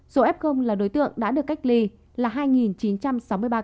số f là đối tượng đã được cách ly là hai chín trăm sáu mươi ba ca